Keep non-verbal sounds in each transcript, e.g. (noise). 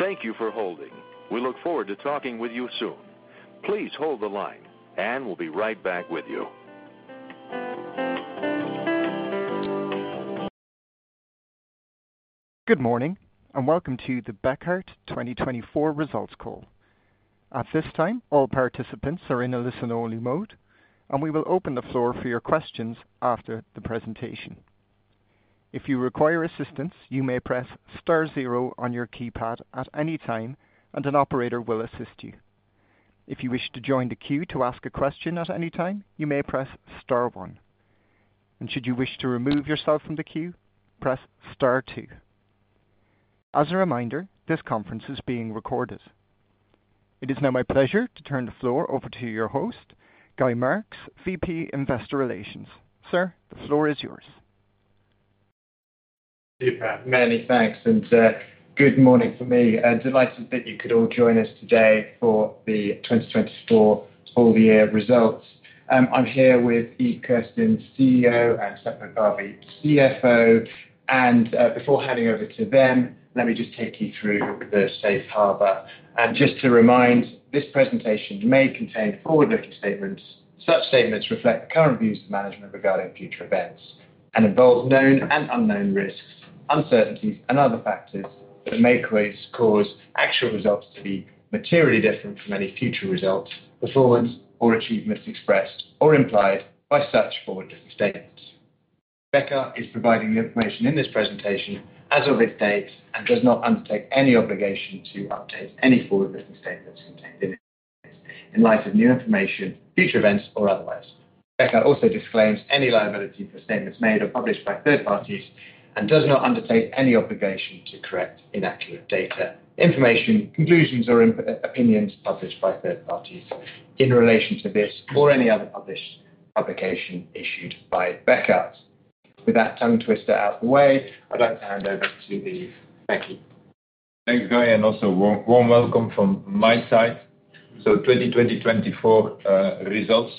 Thank you for holding. We look forward to talking with you soon. Please hold the line, and we'll be right back with you. Good morning, and welcome to the Bekaert 2024 results call. At this time, all participants are in a listen-only mode, and we will open the floor for your questions after the presentation. If you require assistance, you may press star zero on your keypad at any time, and an operator will assist you. If you wish to join the queue to ask a question at any time, you may press star one. And should you wish to remove yourself from the queue, press star two. As a reminder, this conference is being recorded. It is now my pleasure to turn the floor over to your host, Guy Marks, VP Investor Relations. Sir, the floor is yours. Super. Many thanks, and good morning for me. Delighted that you could all join us today for the 2024 full year results. I'm here with Yves Kerstens, CEO, and Seppo Parvi, CFO. And before handing over to them, let me just take you through the safe harbor. And just to remind, this presentation may contain forward-looking statements. Such statements reflect current views of management regarding future events and involve known and unknown risks, uncertainties, and other factors that may cause actual results to be materially different from any future results, performance, or achievements expressed or implied by such forward-looking statements. Bekaert is providing the information in this presentation as of its date and does not undertake any obligation to update any forward-looking statements contained in it in light of new information, future events, or otherwise. Bekaert also disclaims any liability for statements made or published by third parties and does not undertake any obligation to correct inaccurate data, information, conclusions, or opinions published by third parties in relation to this or any other published publication issued by Bekaert. With that tongue twister out of the way, I'd like to hand over to the (inaudible) Thanks, Guy, and also a warm welcome from my side. So 2024 results.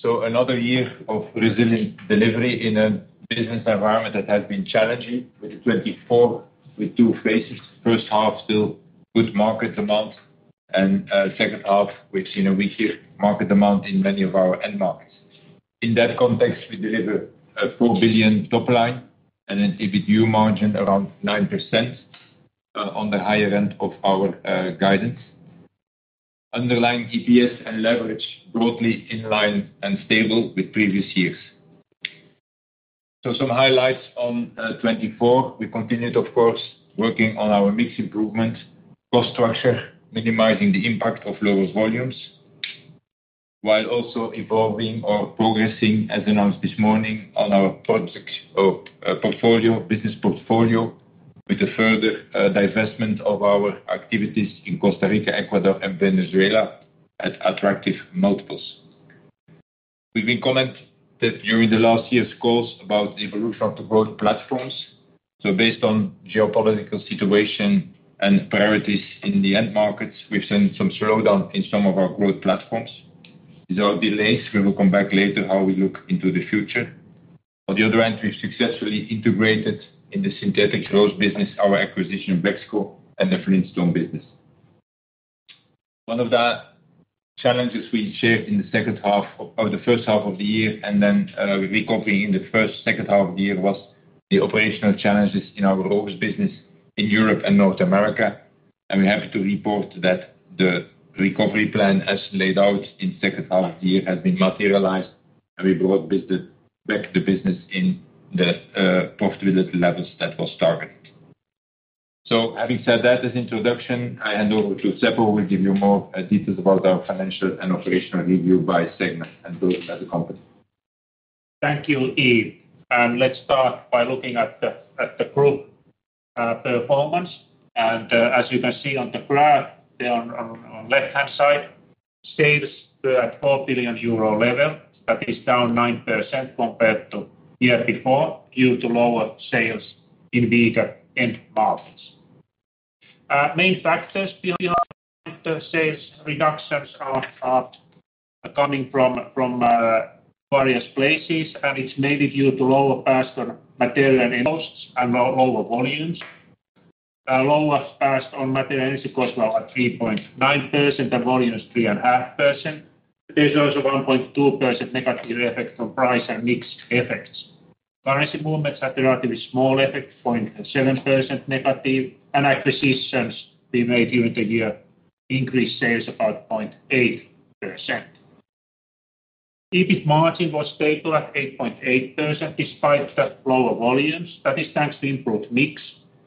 So another year of resilient delivery in a business environment that has been challenging, with 2024 with two phases. First half, still good market demand, and second half, we've seen a weaker market demand in many of our end markets. In that context, we deliver a $4 billion top line and an EBIT-U margin around 9% on the higher end of our guidance. Underlying EPS and leverage broadly in line and stable with previous years. So some highlights on 2024. We continued, of course, working on our mix improvement, cost structure, minimizing the impact of lower volumes, while also evolving or progressing, as announced this morning, on our portfolio, business portfolio, with the further divestment of our activities in Costa Rica, Ecuador, and Venezuela at attractive multiples. We've commented during last year's calls about the evolution of the growth platforms. Based on the geopolitical situation and priorities in the end markets, we've seen some slowdown in some of our growth platforms. These are delays. We will come back later to how we look into the future. On the other hand, we've successfully integrated in the synthetic growth business our acquisition of BEXCO and the Flintstone business. One of the challenges we shared in the first half of the year and then recovering in the second half of the year was the operational challenges in our growth business in Europe and North America. We're happy to report that the recovery plan, as laid out in the second half of the year, has materialized, and we brought back the business in the profitability levels that was targeted. So having said that, as an introduction, I hand over to Seppo, who will give you more details about our financial and operational review by segment and growth as a company. Thank you, Yves. Let's start by looking at the group performance. As you can see on the graph, on the left-hand side, sales at 4 billion euro level. That is down 9% compared to the year before due to lower sales in bigger end markets. Main factors behind the sales reductions are coming from various places, and it's mainly due to lower passed-on material costs and lower volumes. Lower passed-on material costs were 3.9%, and volumes 3.5%. There's also a 1.2% negative effect on price and mixed effects. Currency movements had a relatively small effect, 0.7% negative, and acquisitions we made during the year increased sales about 0.8%. EBIT margin was stable at 8.8% despite the lower volumes. That is thanks to improved mix.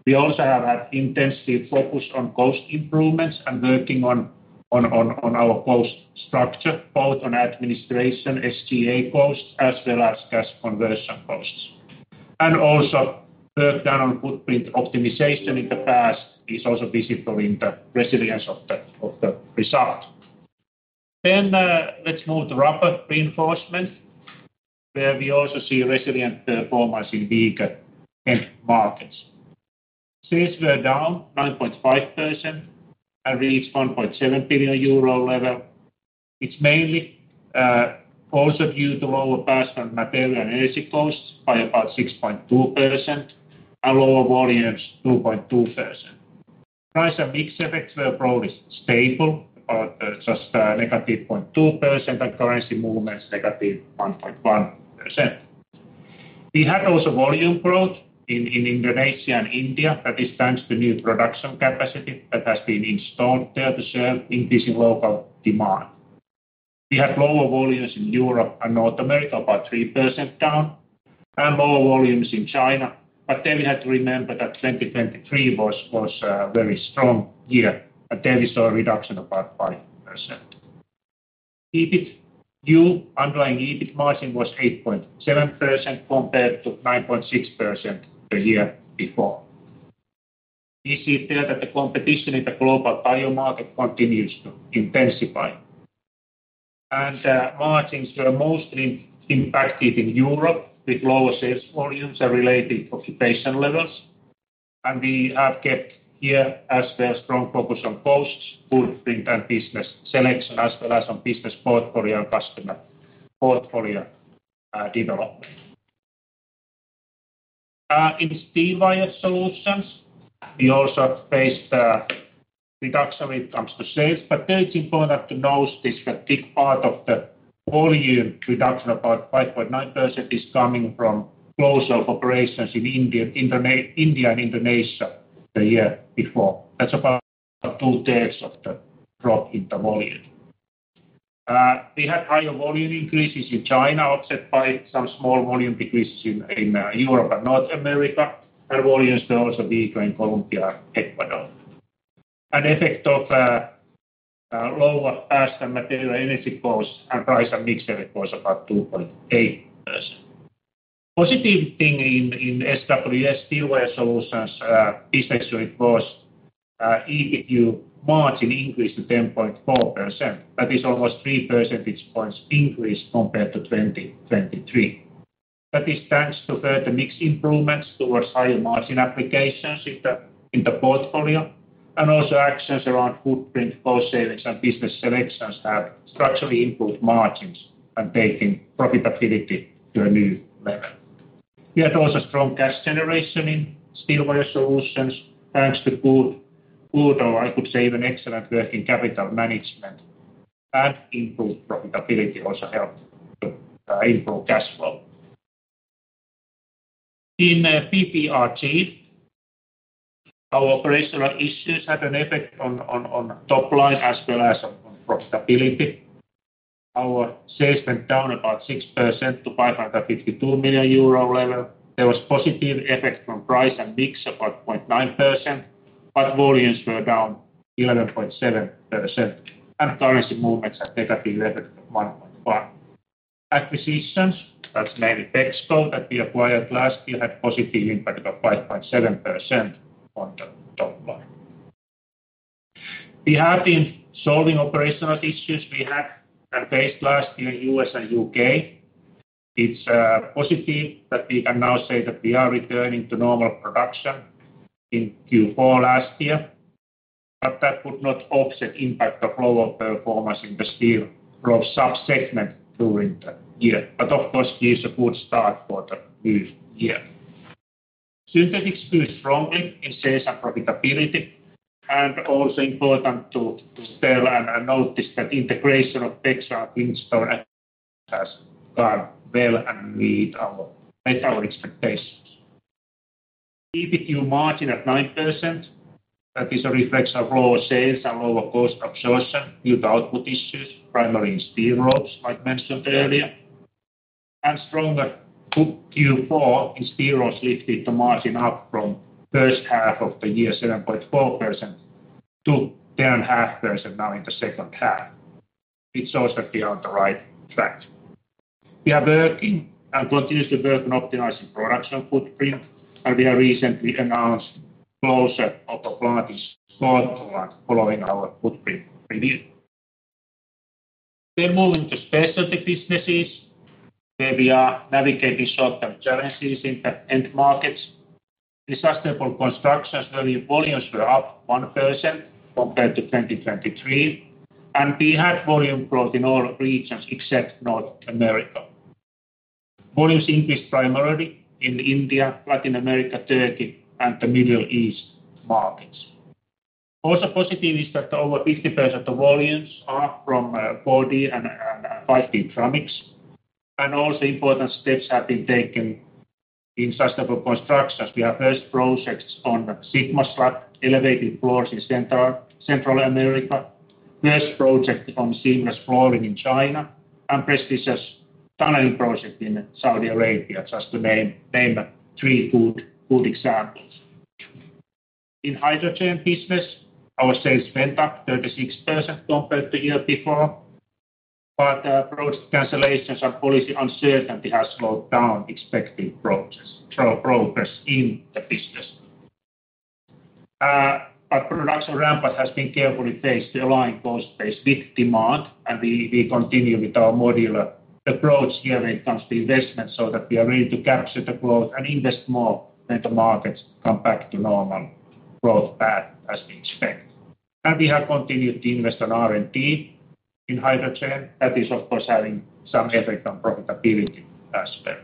We also have had intensive focus on cost improvements and working on our cost structure, both on administration SG&A costs as well as cash conversion costs. And also work done on footprint optimization in the past is also visible in the resilience of the result. Then let's move to rubber reinforcement, where we also see resilient performance in bigger end markets. Sales were down 9.5% and reached € 1.7 billion level. It's mainly also due to lower passed-on material and energy costs by about 6.2% and lower volumes 2.2%. Price and mix effects were broadly stable, about just negative 0.2%, and currency movements negative 1.1%. We had also volume growth in Indonesia and India. That is thanks to new production capacity that has been installed there to serve increasing local demand. We had lower volumes in and North America, about 3% down, and lower volumes in China. But then we had to remember that 2023 was a very strong year, and then we saw a reduction of about 5%. Underlying EBIT margin was 8.7% compared to 9.6% the year before. We see there that the competition in the global tire market continues to intensify. And margins were mostly impacted in Europe with lower sales volumes and related utilization levels. And we have kept here as well strong focus on costs, footprint, and business selection, as well as on business portfolio and customer portfolio development. In Steel Wire Solutions, we also faced a reduction when it comes to sales. But the important thing to note is that a big part of the volume reduction, about 5.9%, is coming from closure of operations in India and Indonesia the year before. That's about 2/3 of the drop in the volume. We had higher volume increases in China, offset by some small volume decreases in Europe and North America. Volumes were also bigger in Colombia and Ecuador. An effect of lower passed-on material and energy costs and price and mix effect was about 2.8%. A positive thing in SWS Steel Wire Solutions (inaudible) was underlying EBIT margin increased to 10.4%. That is almost 3 percentage points increase compared to 2023. That is thanks to further mix improvements towards higher margin applications in the portfolio. Also actions around footprint, cost savings, and business selections have structurally improved margins and taken profitability to a new level. We had also strong cash generation in steel wire solutions thanks to good, or I could say even excellent working capital management and improved profitability also helped to improve cash flow. In BBRG, our operational issues had an effect on top line as well as on profitability. Our sales went down about 6% to 552 million euro level. There was a positive effect from price and mix of about 0.9%, but volumes were down 11.7%. And currency movements at negative levels of 1.1%. Acquisitions, that's mainly BEXCO that we acquired last year, had a positive impact of 5.7% on the top line. We have been solving operational issues we had and faced last year in the U.S. and U.K. It's positive that we can now say that we are returning to normal production in Q4 last year. But that would not offset the impact of lower performance in the steel rope subsegment during the year. But of course, it is a good start for the new year. Synthetics grew strongly in sales and profitability. And also important to tell and notice that integration of Bekaert Flintstone has gone well and meets our expectations. EBIT-U margin at 9%. That is a reflection of lower sales and lower cost absorption due to output issues, primarily in steel ropes, like mentioned earlier, and stronger Q4 in steel ropes lifted the margin up from first half of the year 7.4% to 10.5% now in the second half. It shows that we are on the right track. We are working and continue to work on optimizing production footprint, and we have recently announced closure of a (inaudible) in Scotland following our footprint review, then moving to specific businesses, where we are navigating short-term challenges in the end markets. In sustainable construction, volumes were up 1% compared to 2023, and we had volume growth in all regions except North America. Volumes increased primarily in India, Latin America, Turkey, and the Middle East markets. Also positive is that over 50% of volumes are from body and (inaudible) Dramix. And also important steps have been taken in sustainable constructions. We have first projects on SigmaSlab, elevated floors in Central America, first project on seamless flooring in China, and prestigious tunneling project in Saudi Arabia, just to name three good examples. In Hydrogen business, our sales went up 36% compared to the year before, but project cancellations and policy uncertainty have slowed down expected progress in the business. But production ramp-up has been carefully phased to align cost-based demand, and we continue with our modular approach here when it comes to investment so that we are ready to capture the growth and invest more when the markets come back to normal growth path as we expect. And we have continued to invest on R&D in Hydrogen. That is, of course, having some effect on profitability as well.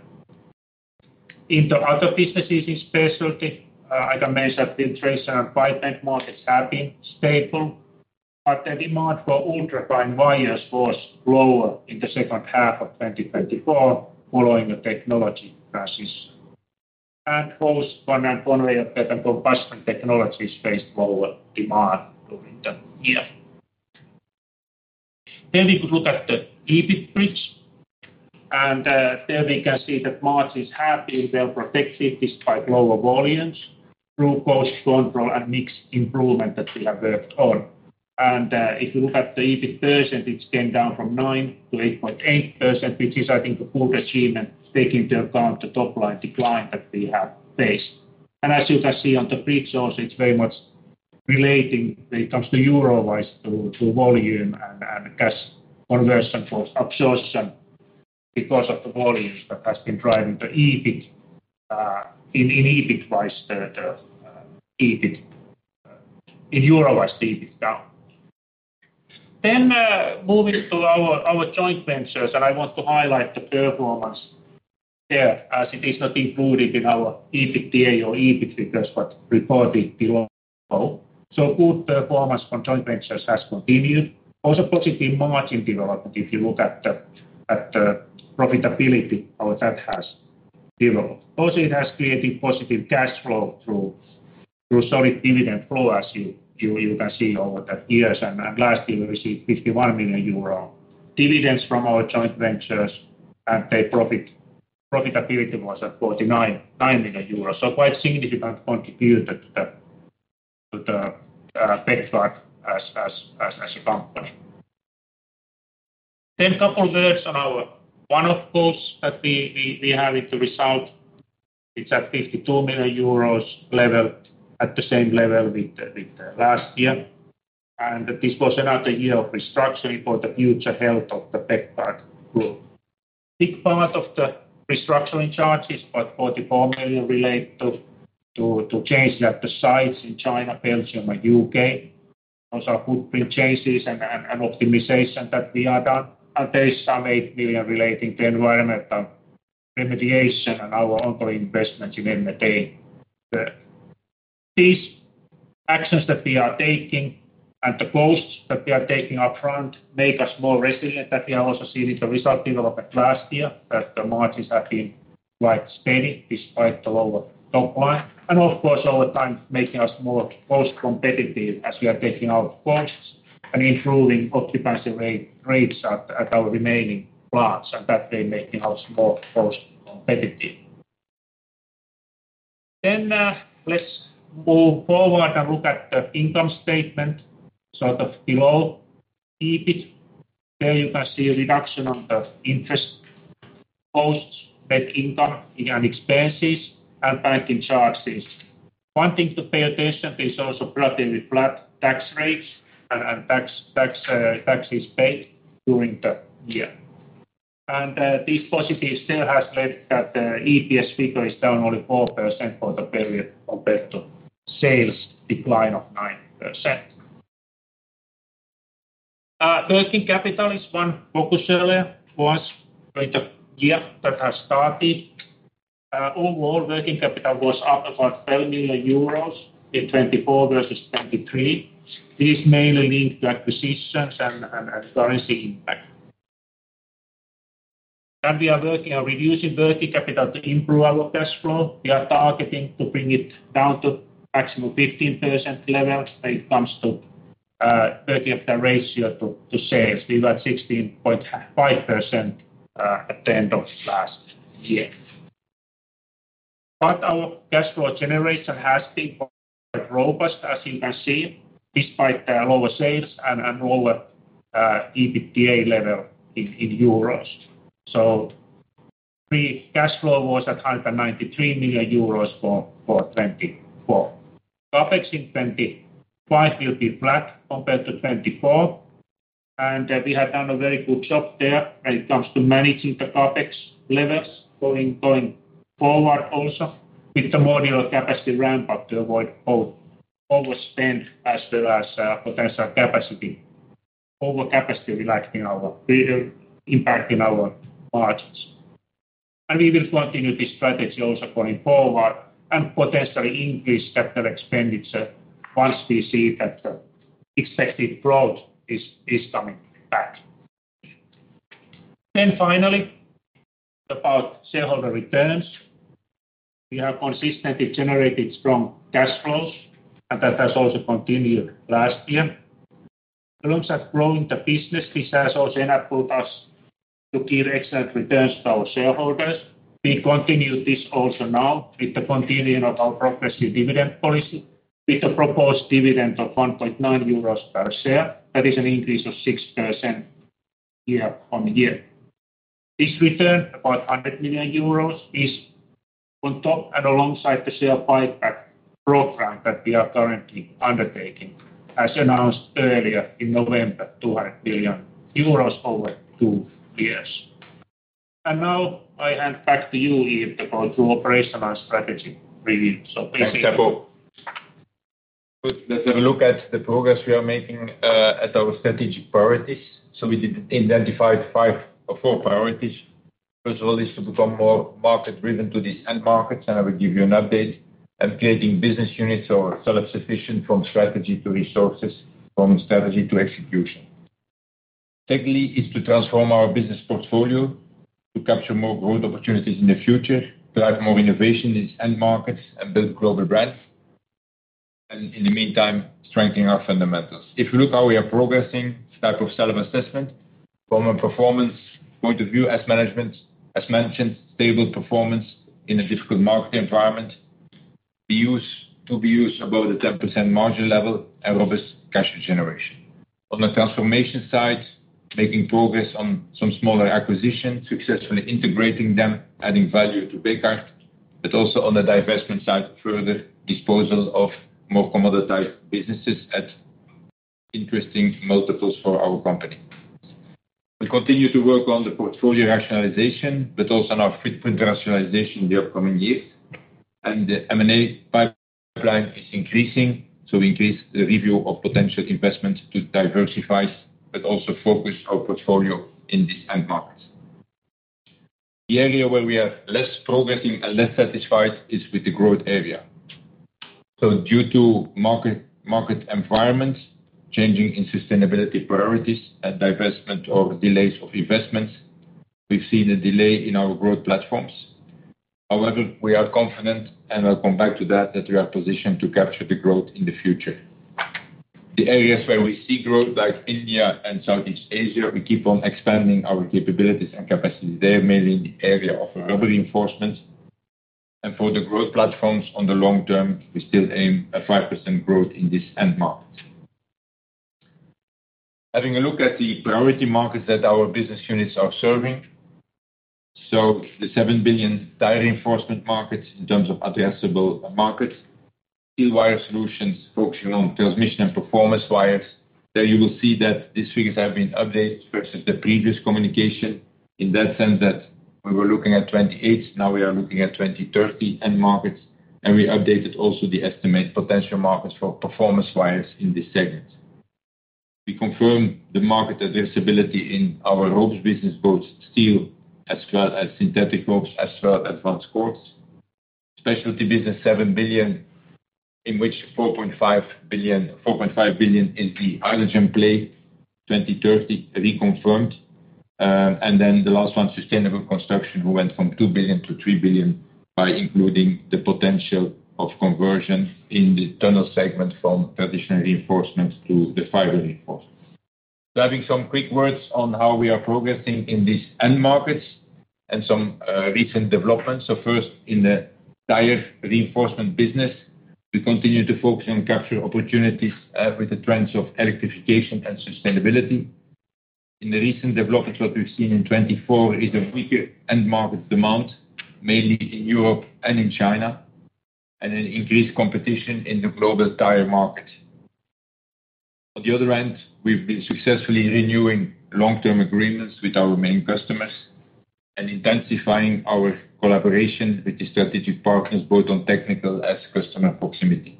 In the other businesses in specialty, I can mention filtration and fiber end-markets have been stable, but the demand for ultra-fine wires was lower in the second half of 2024 following the technology crisis, and (inaudible) Bekaert Combustion Technology faced lower demand during the year, then we could look at the EBITDA bridge, and there we can see that margins have been well protected despite lower volumes through cost control and mixed improvement that we have worked on, and if you look at the EBIT %, it's gone down from 9% to 8.8%, which is, I think, a good achievement taking into account the top line decline that we have faced. And as you can see on the bridge, also it's very much relating when it comes to EUR wise to volume and cash conversion for absorption because of the volumes that have been driving the EBIT wise in EUR wise to EBIT down. Then moving to our joint ventures, and I want to highlight the performance there as it is not included in our EBITDA or EBITDA figures, but reported below. So good performance from joint ventures has continued. Also positive margin development if you look at the profitability how that has developed. Also it has created positive cash flow through solid dividend flow as you can see over the years. And last year we received 51 million euro dividends from our joint ventures, and their profitability was at 49 million euro. So quite significant contributor to the backlog as a company. Then a couple of words on our one-off costs that we have in the result. It's at 52 million euros level at the same level with last year. And this was another year of restructuring for the future health of the Bekaert Group. Big part of the restructuring charges is about 44 million related to changes at the sites in China, Belgium, and U.K. Those are footprint changes and optimization that we have done. And there's some 8 million relating to environmental remediation and our ongoing investment in M&A. These actions that we are taking and the costs that we are taking upfront make us more resilient. That we are also seeing in the result development last year that the margins have been quite steady despite the lower top line. Of course, over time making us more cost competitive as we are taking out costs and improving occupancy rates at our remaining plants. And that way making us more cost competitive. Then let's move forward and look at the income statement sort of below EBIT. There you can see a reduction on the interest costs, net income, and expenses, and banking charges. One thing to pay attention to is also relatively flat tax rates and taxes paid during the year. And this positive sale has led that the EPS figure is down only 4% for the period compared to sales decline of 9%. Working capital is one focus area for us during the year that has started. Overall, working capital was up about 12 million euros in 2024 versus 2023. This is mainly linked to acquisitions and currency impact. We are working on reducing working capital to improve our cash flow. We are targeting to bring it down to maximum 15% level when it comes to working capital ratio to sales. We were at 16.5% at the end of last year. Our cash flow generation has been quite robust as you can see despite the lower sales and lower EBITDA level in EURs. Cash flow was at 193 million euros for 2024. CapEx in 2025 will be flat compared to 2024. We have done a very good job there when it comes to managing the CapEx levels going forward also with the modular capacity ramp-up to avoid overspend as well as potential capacity overcapacity impacting our margins. We will continue this strategy also going forward and potentially increase capital expenditure once we see that the expected growth is coming back. Finally, about shareholder returns. We have consistently generated strong cash flows, and that has also continued last year. Alongside growing the business, this has also enabled us to give excellent returns to our shareholders. We continue this also now with the continuing of our progressive dividend policy with the proposed dividend of 1.9 euros per share. That is an increase of 6% year on year. This return, about 100 million euros, is on top and alongside the share buyback program that we are currently undertaking, as announced earlier in November, 200 million euros over two years. And now I hand back to you, Yves, to go through operational and strategy review. So please take it. Let's have a look at the progress we are making at our strategic priorities. So we identified four priorities. First of all, is to become more market-driven to these end markets, and I will give you an update. And creating business units or self-sufficient from strategy to resources, from strategy to execution. Secondly, is to transform our business portfolio to capture more growth opportunities in the future, drive more innovation in these end markets, and build a global brand. And in the meantime, strengthening our fundamentals. If you look at how we are progressing, type of self-assessment from a performance point of view, as management has mentioned, stable performance in a difficult market environment, to be used above the 10% margin level and robust cash generation. On the transformation side, making progress on some smaller acquisitions, successfully integrating them, adding value to Bekaert. But also on the divestment side, further disposal of more commoditized businesses at interesting multiples for our company. We continue to work on the portfolio rationalization, but also on our footprint rationalization in the upcoming years. The M&A pipeline is increasing, so we increase the review of potential investments to diversify, but also focus our portfolio in these end markets. The area where we are less progressing and less satisfied is with the growth area. Due to market environments, changing in sustainability priorities, and divestment or delays of investments, we've seen a delay in our growth platforms. However, we are confident, and I'll come back to that, that we are positioned to capture the growth in the future. The areas where we see growth, like India and Southeast Asia, we keep on expanding our capabilities and capacity there, mainly in the area of reinforcements. For the growth platforms on the long term, we still aim at 5% growth in these end markets. Having a look at the priority markets that our business units are serving. So, the 7 billion tire reinforcement market in terms of addressable markets, Steel Wire Solutions focusing on transmission and performance wires. There you will see that these figures have been updated versus the previous communication in that sense that we were looking at 2028, now we are looking at 2030 end markets. And we updated also the estimated potential markets for performance wires in this segment. We confirmed the market addressability in our ropes business, both steel as well as synthetic ropes as well as advanced cords. Specialty business 7 billion, in which 4.5 billion is the Hydrogen play 2030 reconfirmed. And then the last one, sustainable construction, who went from 2 billion to 3 billion by including the potential of conversion in the tunnel segment from traditional reinforcements to the fiber reinforcements. So having some quick words on how we are progressing in these end markets and some recent developments. So first, in the tire reinforcement business, we continue to focus on capture opportunities with the trends of electrification and sustainability. In the recent developments, what we've seen in 2024 is a weaker end market demand, mainly in Europe and in China, and an increased competition in the global tire market. On the other end, we've been successfully renewing long-term agreements with our main customers and intensifying our collaboration with the strategic partners, both on technical as customer proximity.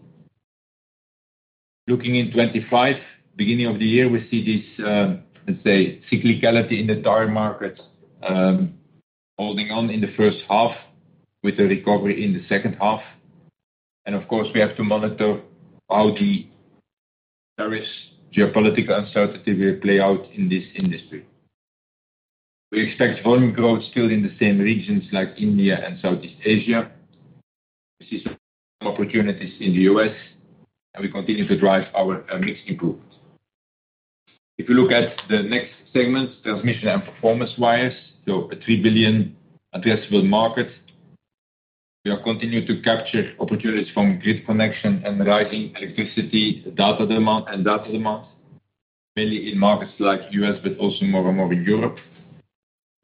Looking in 2025, beginning of the year, we see this, let's say, cyclicality in the tire markets holding on in the first half with a recovery in the second half. And of course, we have to monitor how the various geopolitical uncertainties will play out in this industry. We expect volume growth still in the same regions like India and Southeast Asia. We see some opportunities in the US, and we continue to drive our mixed improvement. If you look at the next segments, transmission and performance wires, so a 3 billion addressable market. We are continuing to capture opportunities from grid connection and rising electricity data demand and data demands, mainly in markets like the U.S, but also more and more in Europe.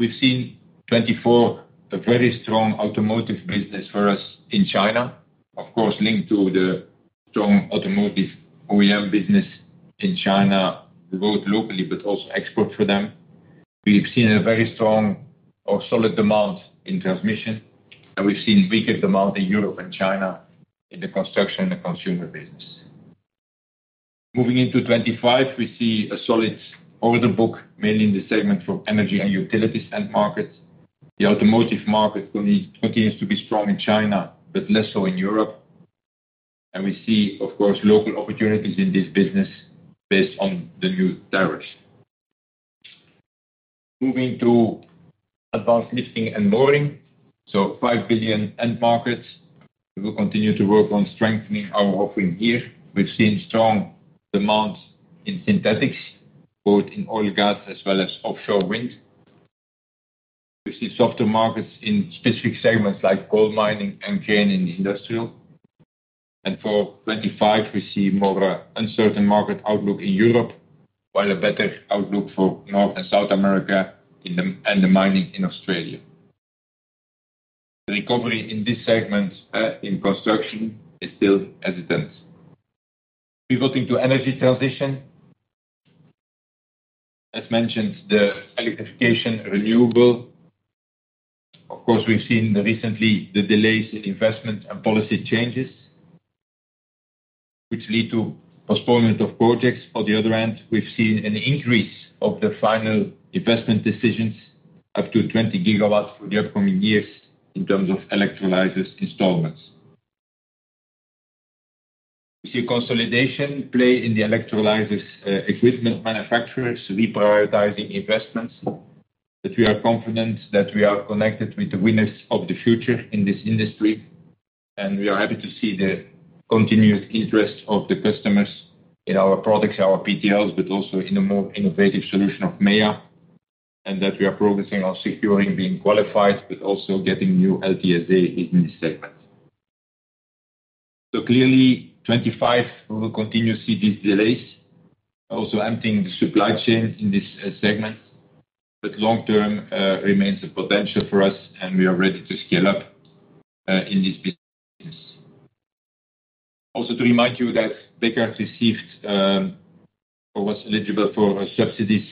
We've seen 2024 a very strong automotive business for us in China, of course, linked to the strong automotive OEM business in China, both locally but also export for them. We've seen a very strong or solid demand in transmission, and we've seen weaker demand in Europe and China in the construction and consumer business. Moving into 2025, we see a solid order book, mainly in the segment for energy and utilities end markets. The automotive market continues to be strong in China, but less so in Europe. And we see, of course, local opportunities in this business based on the new tariffs. Moving to advanced Lifting and Mooring, so 5 billion end markets. We will continue to work on strengthening our offering here. We've seen strong demand in synthetics, both in oil and gas, as well as offshore wind. We see softer markets in specific segments like coal mining and chain in the industrial. And for 2025, we see more uncertain market outlook in Europe, while a better outlook for North and South America and the mining in Australia. The recovery in this segment in construction is still hesitant. Pivoting to energy transition. As mentioned, the electrification renewable. Of course, we've seen recently the delays in investment and policy changes, which lead to postponement of projects. On the other hand, we've seen an increase of the final investment decisions up to 20 GW for the upcoming years in terms of electrolyzers installments. We see a consolidation play in the electrolyzers equipment manufacturers, reprioritizing investments, but we are confident that we are connected with the winners of the future in this industry, and we are happy to see the continued interest of the customers in our products, our PTLs, but also in the more innovative solution of MEA, and that we are progressing on securing, being qualified, but also getting new LTSAs in this segment, so clearly, 2025, we will continue to see these delays, also emptying the supply chain in this segment, but long-term remains a potential for us, and we are ready to scale up in this business. Also to remind you that Bekaert received or was eligible for subsidies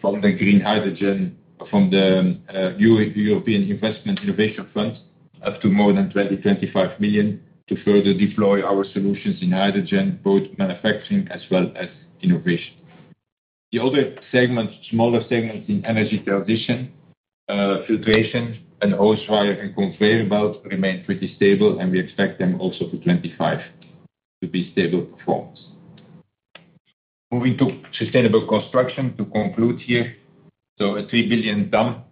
from the Green Hydrogen, from the new European Investment Innovation Fund, up to more than 20, 25 million to further deploy our solutions in hydrogen, both manufacturing as well as innovation. The other segments, smaller segments in energy transition, filtration, and hose wire and conveyor belt remain pretty stable, and we expect them also for 2025 to be stable performance. Moving to sustainable construction to conclude here. So a 3 billion slump.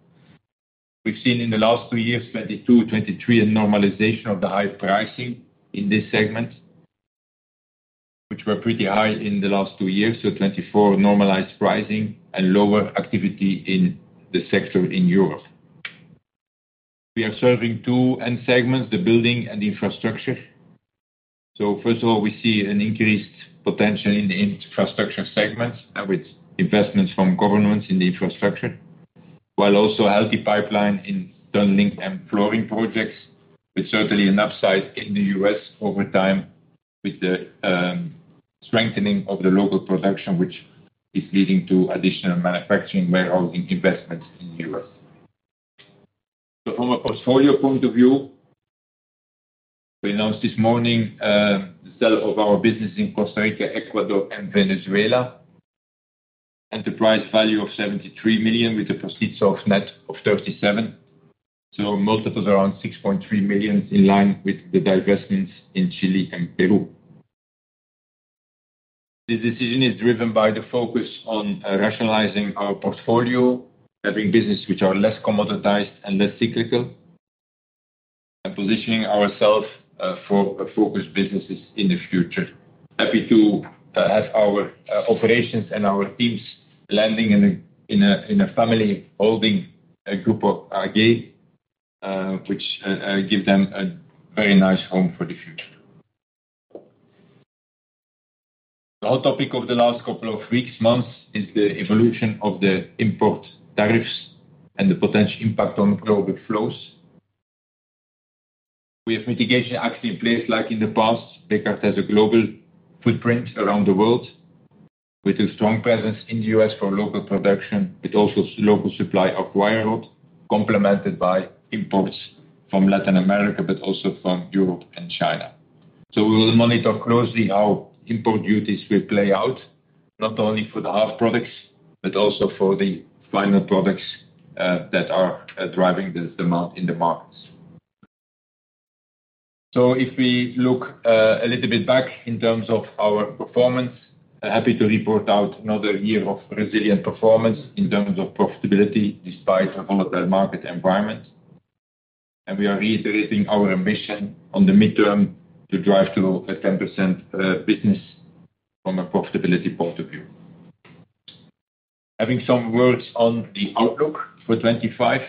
We've seen in the last two years, 2022, 2023, a normalization of the high pricing in this segment, which were pretty high in the last two years. So 2024 normalized pricing and lower activity in the sector in Europe. We are serving two end segments, the building and the infrastructure. So first of all, we see an increased potential in the infrastructure segment with investments from governments in the infrastructure, while also healthy pipeline in tunneling and flooring projects, with certainly an upside in the U.S. over time with the strengthening of the local production, which is leading to additional manufacturing warehousing investments in the U.S. So from a portfolio point of view, we announced this morning the sale of our business in Costa Rica, Ecuador, and Venezuela, enterprise value of € 73 million with a proceeds of net of 37. So multiples around 6.3 million in line with the divestments in Chile and Peru. This decision is driven by the focus on rationalizing our portfolio, having businesses which are less commoditized and less cyclical, and positioning ourselves for focused businesses in the future. Happy to have our operations and our teams landing in a family holding a group of, (inaudible) which gives them a very nice home for the future. The hot topic of the last couple of weeks, months, is the evolution of the import tariffs and the potential impact on global flows. We have mitigation acts in place like in the past. Bekaert has a global footprint around the world with a strong presence in the U.S. for local production, but also local supply of wire rope, complemented by imports from Latin America, but also from Europe and China, so we will monitor closely how import duties will play out, not only for the hard products, but also for the final products that are driving the demand in the markets. So if we look a little bit back in terms of our performance, happy to report out another year of resilient performance in terms of profitability despite a volatile market environment. And we are reiterating our ambition on the midterm to drive to a 10% business from a profitability point of view. Having some words on the outlook for 2025.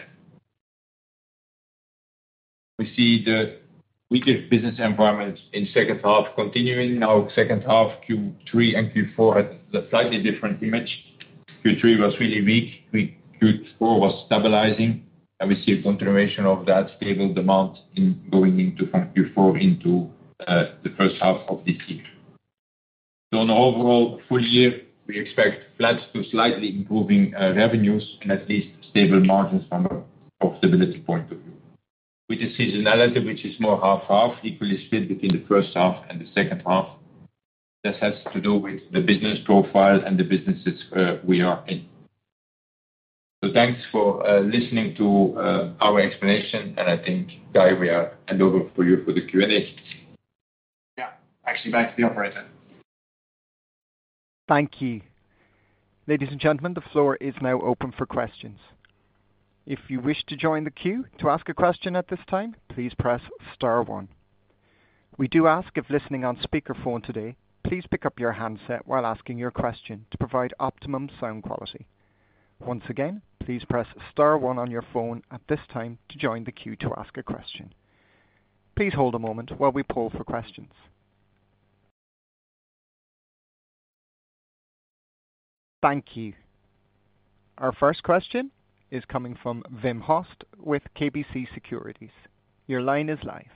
We see the weaker business environment in the second half continuing. Now, second half, Q3 and Q4 had a slightly different image. Q3 was really weak. Q4 was stabilizing, and we see a continuation of that stable demand going into from Q4 into the first half of this year. So on the overall full year, we expect flat to slightly improving revenues and at least stable margins from a profitability point of view. With the seasonality, which is more half-half, equally split between the first half and the second half. This has to do with the business profile and the businesses we are in. So thanks for listening to our explanation, and I think, Guy, we are handover for you for the Q&A. Yeah, actually back to the operator. Thank you. Ladies and gentlemen, the floor is now open for questions. If you wish to join the queue to ask a question at this time, please press star one. We do ask if listening on speakerphone today, please pick up your handset while asking your question to provide optimum sound quality. Once again, please press star one on your phone at this time to join the queue to ask a question. Please hold a moment while we pull for questions. Thank you. Our first question is coming from Wim Hoste with KBC Securities. Your line is live.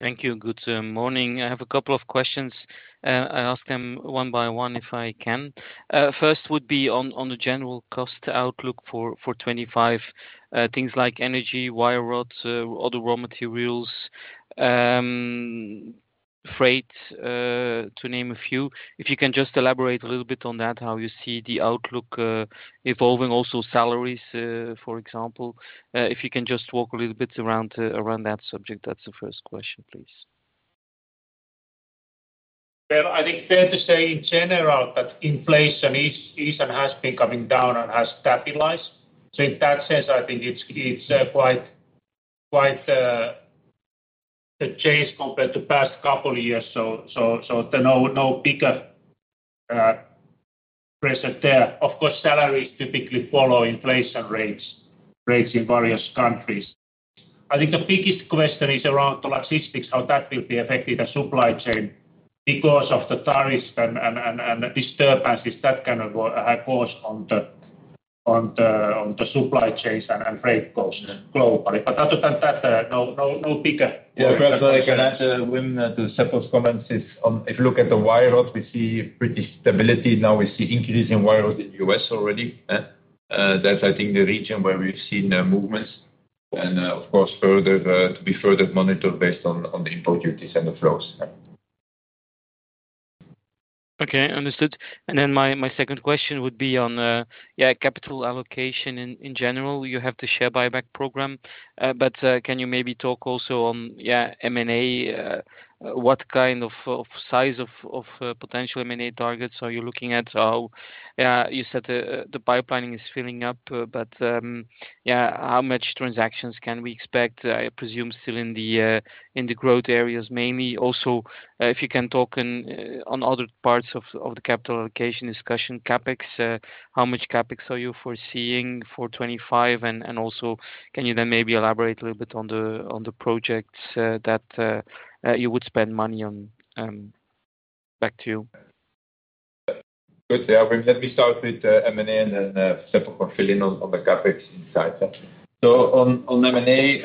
Thank you. Good morning. I have a couple of questions. I'll ask them one by one if I can. First would be on the general cost outlook for 2025, things like energy, wire ropes, other raw materials, freight, to name a few. If you can just elaborate a little bit on that, how you see the outlook evolving, also salaries, for example. If you can just walk a little bit around that subject, that's the first question, please. I think it's fair to say in general that inflation is and has been coming down and has stabilized. So in that sense, I think it's quite the change compared to the past couple of years. So there's no bigger pressure there. Of course, salaries typically follow inflation rates in various countries. I think the biggest question is around logistics, how that will be affected the supply chain because of the tariffs and disturbances that can have caused on the supply chains and freight costs globally. But other than that, no bigger question. Yeah, if I can add to Wim's and Seppo's comments, if you look at the wire ropes, we see pretty stability. Now we see increasing wire ropes in the U.S. already. That's, I think, the region where we've seen movements. And of course, to be further monitored based on the import duties and the flows. Okay, understood. And then my second question would be on, yeah, capital allocation in general. You have the share buyback program, but can you maybe talk also on, yeah, M&A? What kind of size of potential M&A targets are you looking at? You said the pipeline is filling up, but yeah, how much transactions can we expect? I presume still in the growth areas mainly. Also, if you can talk on other parts of the capital allocation discussion, CapEx, how much CapEx are you foreseeing for 2025? And also, can you then maybe elaborate a little bit on the projects that you would spend money on back to. Good. Yeah, let me start with M&A and then Seppo for filling in on the CapEx insight. So on M&A,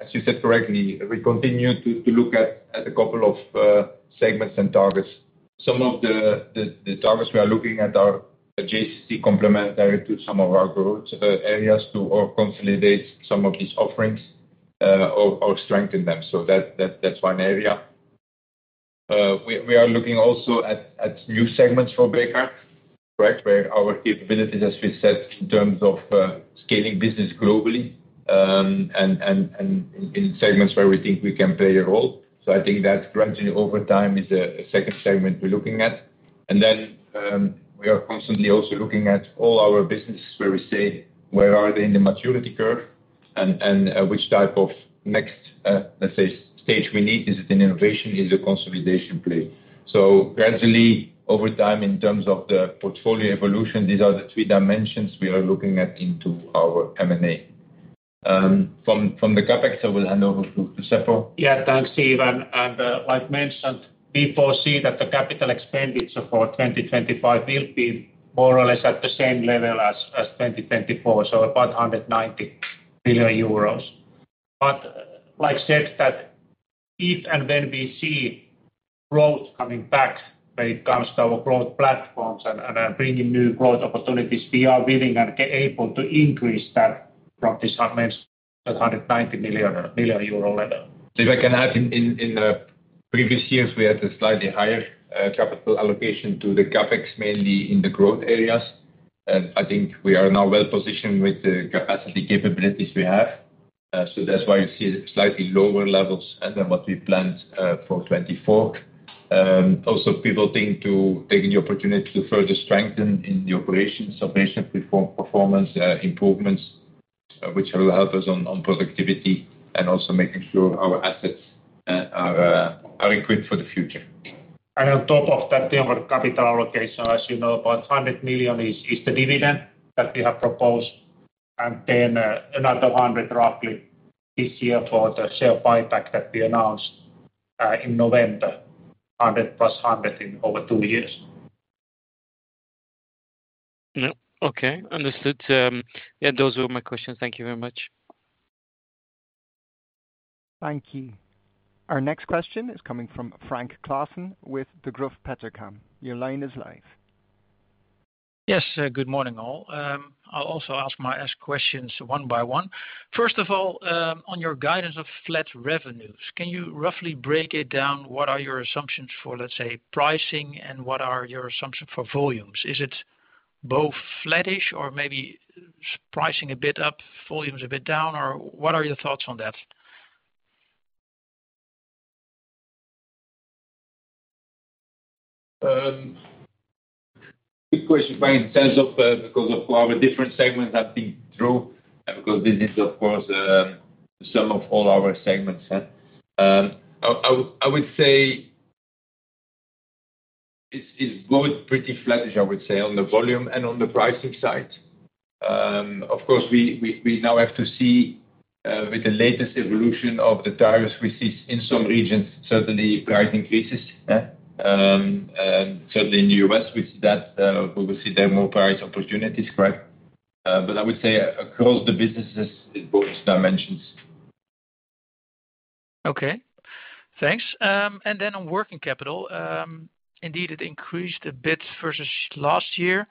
as you said correctly, we continue to look at a couple of segments and targets. Some of the targets we are looking at are adjacently complementary to some of our growth areas to consolidate some of these offerings or strengthen them. So that's one area. We are looking also at new segments for Bekaert, right, where our capabilities, as we said, in terms of scaling business globally and in segments where we think we can play a role. So I think that gradually over time is a second segment we're looking at. And then we are constantly also looking at all our businesses where we say, where are they in the maturity curve and which type of next, let's say, stage we need? Is it an innovation? Is it a consolidation play? So gradually over time in terms of the portfolio evolution, these are the three dimensions we are looking at into our M&A. From the CapEx, I will hand over to Seppo. Yeah, thanks, Yves. And as mentioned, we foresee that the capital expenditure for 2025 will be more or less at the same level as 2024, so about 190 million euros. But like I said, that if and when we see growth coming back when it comes to our growth platforms and bringing new growth opportunities, we are willing and able to increase that from this 190 million euro level. If I can add, in the previous years, we had a slightly higher capital allocation to the CapEx, mainly in the growth areas. And I think we are now well positioned with the capacity capabilities we have. So that's why you see slightly lower levels than what we planned for 2024. Also pivoting to taking the opportunity to further strengthen in the operations of patient performance improvements, which will help us on productivity and also making sure our assets are equipped for the future. And on top of that, our capital allocation, as you know, about 100 million is the dividend that we have proposed. And then another 100 roughly this year for the share buyback that we announced in November, 100 plus 100 in over two years. Okay, understood. Yeah, those were my questions. Thank you very much. Thank you. Our next question is coming from Frank Claassen with Degroof Petercam. Your line is live. Yes, good morning all. I'll also ask my questions one by one. First of all, on your guidance of flat revenues, can you roughly break it down? What are your assumptions for, let's say, pricing and what are your assumptions for volumes? Is it both flattish or maybe pricing a bit up, volumes a bit down, or what are your thoughts on that? Good question. In terms of, because of our different segments have been through, because this is, of course, the sum of all our segments, I would say it's both pretty flattish, I would say, on the volume and on the pricing side. Of course, we now have to see with the latest evolution of the tariffs we see in some regions, certainly price increases, certainly in the U.S., we see that we will see there are more price opportunities, right? But I would say across the businesses, it's both dimensions. Okay, thanks. And then on working capital, indeed, it increased a bit versus last year.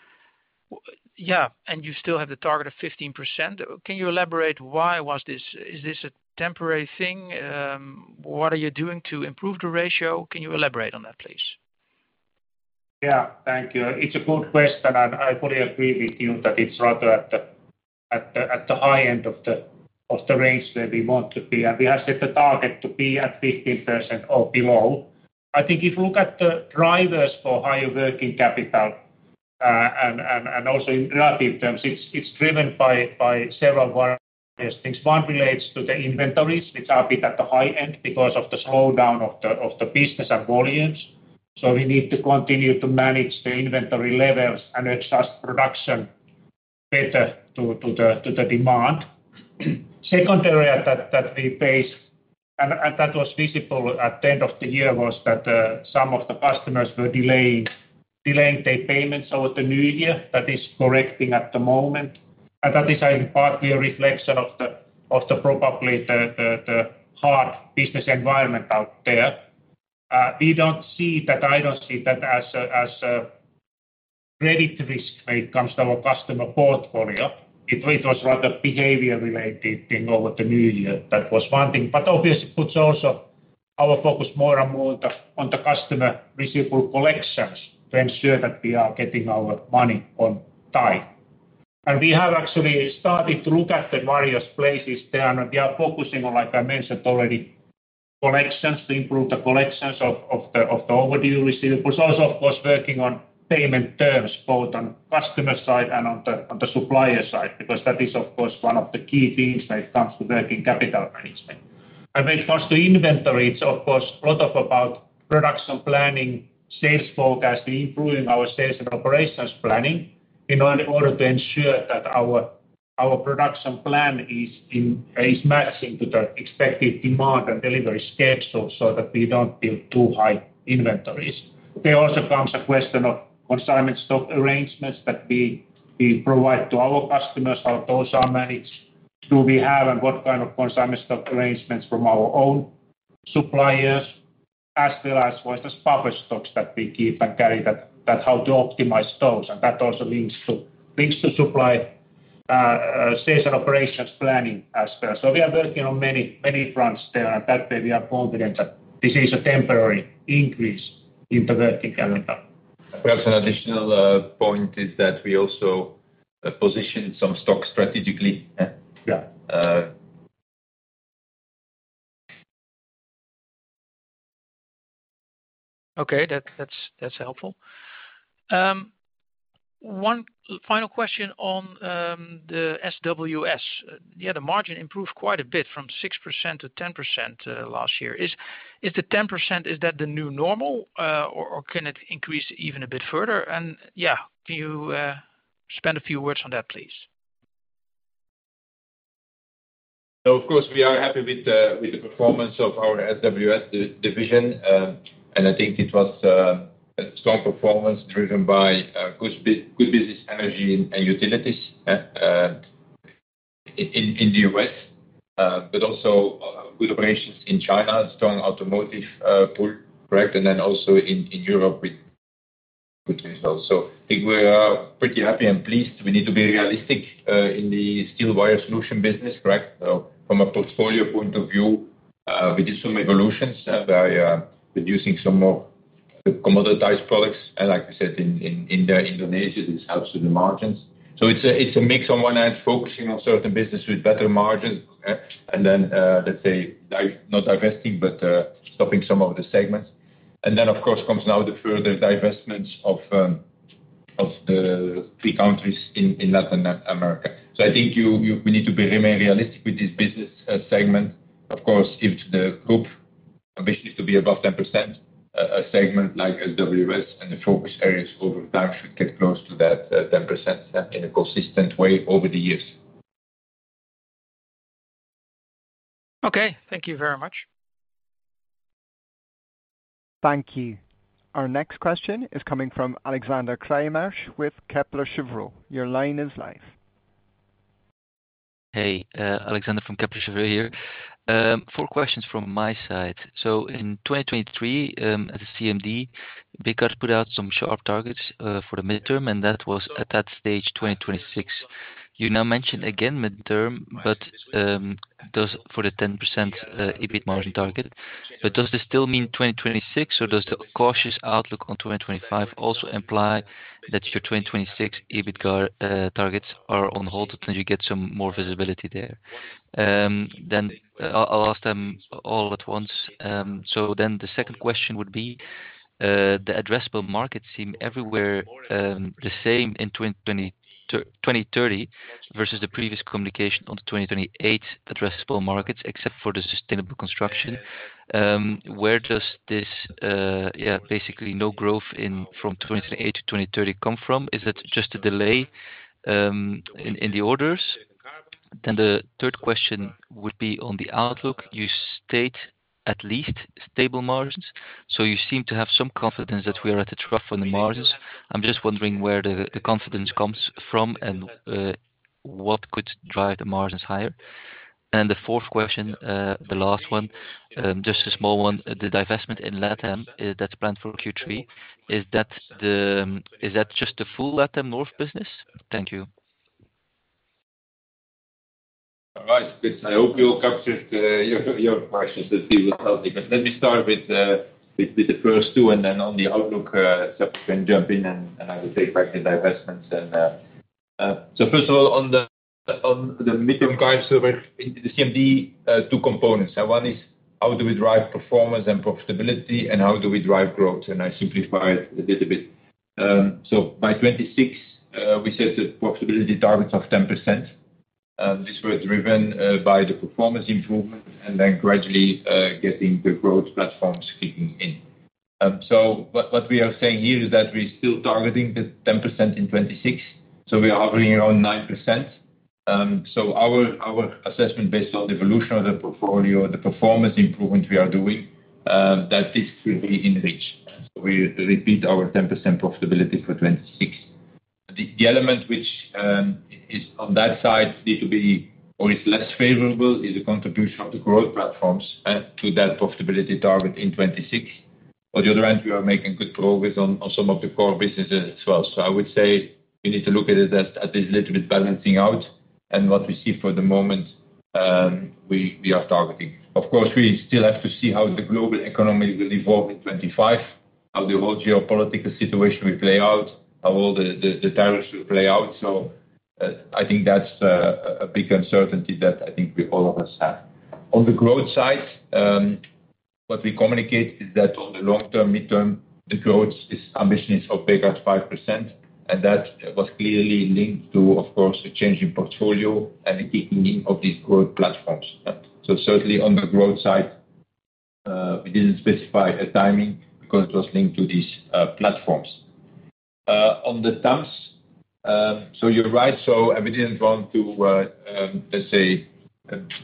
Yeah, and you still have the target of 15%. Can you elaborate why was this? Is this a temporary thing? What are you doing to improve the ratio? Can you elaborate on that, please? Yeah, thank you. It's a good question. I fully agree with you that it's rather at the high end of the range where we want to be, and we have set the target to be at 15% or below. I think if you look at the drivers for higher working capital and also in relative terms, it's driven by several various things. One relates to the inventories, which are a bit at the high end because of the slowdown of the business and volumes, so we need to continue to manage the inventory levels and adjust production better to the demand. Second area that we faced, and that was visible at the end of the year, was that some of the customers were delaying their payments over the new year. That is correcting at the moment, and that is in part a reflection of probably the hard business environment out there. We don't see that. I don't see that as a credit risk when it comes to our customer portfolio. It was rather a behavior-related thing over the new year. That was one thing. But obviously, it puts also our focus more and more on the customer receivable collections to ensure that we are getting our money on time. And we have actually started to look at the various places there, and we are focusing on, like I mentioned already, collections to improve the collections of the overdue receivables. Also, of course, working on payment terms, both on the customer side and on the supplier side, because that is, of course, one of the key things when it comes to working capital management. When it comes to inventory, it's of course a lot about production planning, sales forecasting, improving our sales and operations planning in order to ensure that our production plan is matching to the expected demand and delivery schedule so that we don't build too high inventories. There also comes a question of consignment stock arrangements that we provide to our customers, how those are managed, do we have, and what kind of consignment stock arrangements from our own suppliers, as well as what the spot stocks that we keep and carry, that how to optimize those. That also links to supply sales and operations planning as well. We are working on many fronts there, and that way we are confident that this is a temporary increase in the working capital. That's an additional point is that we also position some stocks strategically. Yeah. Okay, that's helpful. One final question on the SWS. Yeah, the margin improved quite a bit from 6% to 10% last year. Is the 10%, is that the new normal, or can it increase even a bit further? And yeah, can you spend a few words on that, please? No, of course, we are happy with the performance of our SWS division, and I think it was a strong performance driven by good business energy and utilities in the U.S., but also good operations in China, strong automotive pull, correct? And then also in Europe with results. So I think we're pretty happy and pleased. We need to be realistic in the steel wire solution business, correct? So from a portfolio point of view, we did some evolutions by reducing some of the commoditized products. And like I said, in Indonesia, this helps with the margins. So it's a mix on one hand, focusing on certain businesses with better margins, and then, let's say, not divesting, but stopping some of the segments. And then, of course, comes now the further divestments of the three countries in Latin America. So I think we need to be really realistic with this business segment. Of course, if the group ambition is to be above 10%, a segment like SWS and the focus areas over time should get close to that 10% in a consistent way over the years. Okay, thank you very much. Thank you. Our next question is coming from Alexander Craeymeersch with Kepler Cheuvreux. Your line is live. Hey, Alexander from Kepler Cheuvreux here. Four questions from my side. So in 2023, as a CMD, Bekaert put out some sharp targets for the midterm, and that was at that stage 2026. You now mentioned again mid-term, but for the 10% EBIT margin target but does this still mean 2026, or does the cautious outlook on 2025 also imply that your 2026 EBIT targets are on hold until you get some more visibility there? Then I'll ask them all at once, so then the second question would be, the addressable markets seem everywhere the same in 2030 versus the previous communication on the 2028 addressable markets, except for the sustainable construction. Where does this, yeah, basically no growth from 2028 to 2030 come from? Is it just a delay in the orders, then the third question would be on the outlook. You state at least stable margins, so you seem to have some confidence that we are at a trough on the margins. I'm just wondering where the confidence comes from and what could drive the margins higher. The fourth question, the last one, just a small one, the divestment in LATAM that's planned for Q3, is that just the full LATAM North business? Thank you. All right. I hope you all captured your questions. Let's see what's out there. But let me start with the first two, and then on the outlook, Seppo can jump in, and I will take back the divestments. First of all, on the midterm guidance, the CMD, two components. One is how do we drive performance and profitability, and how do we drive growth? I simplify it a little bit. By 2026, we set the profitability targets of 10%. These were driven by the performance improvement and then gradually getting the growth platforms kicking in. What we are saying here is that we're still targeting the 10% in 2026. We are hovering around 9%. Our assessment based on the evolution of the portfolio, the performance improvement we are doing, that this should be in reach. We repeat our 10% profitability for 2026. The element which is on that side needs to be or is less favorable is the contribution of the growth platforms to that profitability target in 2026. On the other hand, we are making good progress on some of the core businesses as well. I would say you need to look at it as this little bit balancing out and what we see for the moment we are targeting. Of course, we still have to see how the global economy will evolve in 2025, how the whole geopolitical situation will play out, how all the tariffs will play out. I think that's a big uncertainty that I think we all of us have. On the growth side, what we communicate is that on the long term, midterm, the growth ambition is above 5%, and that was clearly linked to, of course, a change in portfolio and the kicking in of these growth platforms. So certainly on the growth side, we didn't specify a timing because it was linked to these platforms. On the tires, so you're right, so we didn't want to, let's say,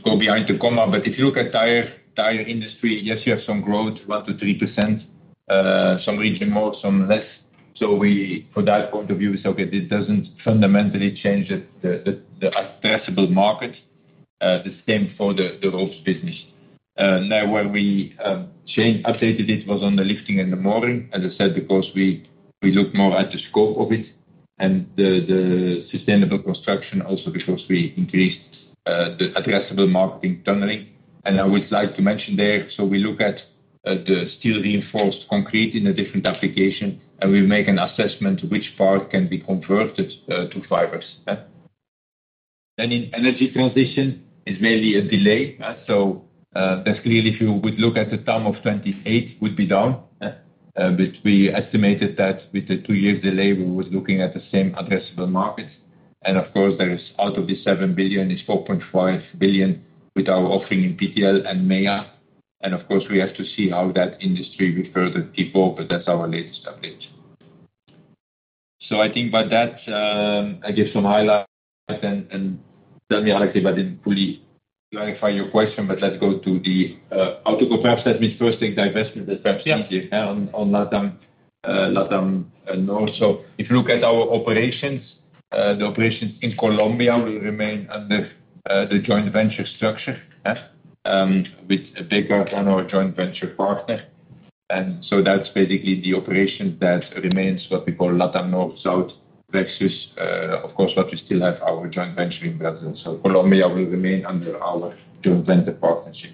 go behind the comma, but if you look at the entire industry, yes, you have some growth, 1% to 3%, some region more, some less. So from that point of view, we said, okay, this doesn't fundamentally change the addressable market. The same for the ropes business. Now, where we updated it was on the Lifting and the Mooring, as I said, because we looked more at the scope of it and the sustainable construction, also because we increased the addressable marketing tunneling. And I would like to mention there, so we look at the steel reinforced concrete in a different application, and we make an assessment which part can be converted to fibers. Then in energy transition, it's mainly a delay. So that's clearly if you would look at the (inaudible) of 28, it would be down. But we estimated that with the two-year delay, we were looking at the same addressable markets. And of course, there is out of the 7 billion, it's 4.5 billion with our offering in PTL and MEA. And of course, we have to see how that industry will further evolve, but that's our latest update. So, I think by that I give some highlights, and tell me, Alex, if I didn't fully clarify your question, but let's go to the outlook of perhaps that means first thing divestment is perhaps easier on LATAM North. So if you look at our operations, the operations in Colombia will remain under the joint venture structure with a bigger joint venture partner. And so that's basically the operation that remains what we call LATAM North-South versus, of course, what we still have our joint venture in Brazil. So Colombia will remain under our joint venture partnership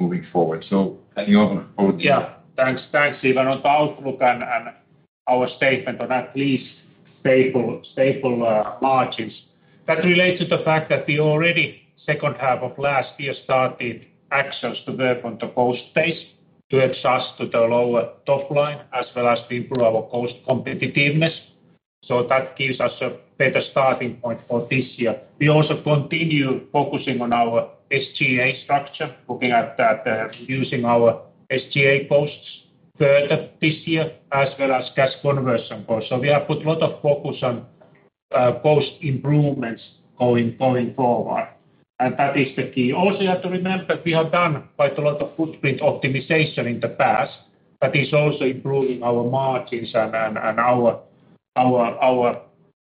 moving forward. So any other overview? Yeah, thanks. On the outlook and our statement on at least stable margins, that relates to the fact that we already in the second half of last year started actions to work on the cost base to adjust to the lower top line as well as to improve our cost competitiveness, so that gives us a better starting point for this year. We also continue focusing on our SG&A structure, looking at that, using our SG&A costs further this year as well as cash conversion costs, so we have put a lot of focus on cost improvements going forward, and that is the key. Also, you have to remember we have done quite a lot of footprint optimization in the past that is also improving our margins and our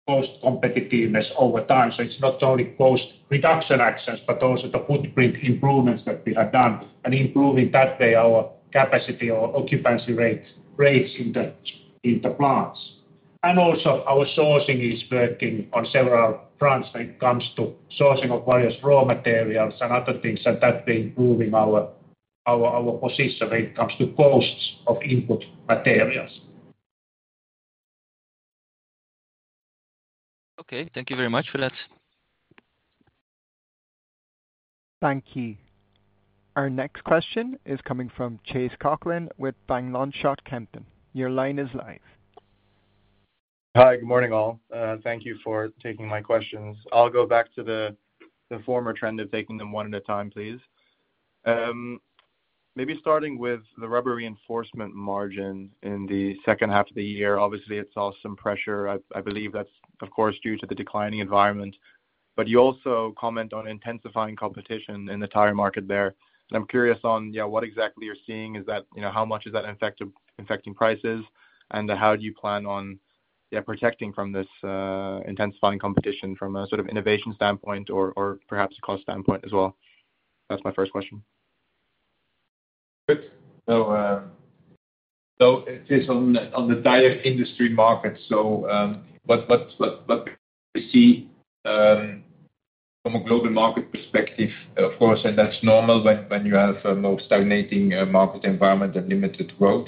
cost competitiveness over time. So it's not only cost reduction actions, but also the footprint improvements that we have done and improving that way our capacity or occupancy rates in the plants, and also our sourcing is working on several fronts when it comes to sourcing of various raw materials and other things, and that way improving our position when it comes to costs of input materials. Okay, thank you very much for that. Thank you. Our next question is coming from Chase Coughlan with Van Lanschot Kempen. Your line is live. Hi, good morning all. Thank you for taking my questions. I'll go back to the former trend of taking them one at a time, please. Maybe starting with the rubber reinforcement margin in the second half of the year. Obviously, it saw some pressure. I believe that's, of course, due to the declining environment. But you also comment on intensifying competition in the tire market there. And I'm curious on, yeah, what exactly you're seeing. Is that how much is that affecting prices? And how do you plan on, yeah, protecting from this intensifying competition from a sort of innovation standpoint or perhaps a cost standpoint as well? That's my first question. Good. So it is on the tire industry market. So what we see from a global market perspective, of course, and that's normal when you have a more stagnating market environment and limited growth.